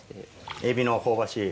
エビの香ばしい。